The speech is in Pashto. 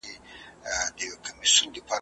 پټ په زړه کي پر اقرار یو ګوندي راسي ,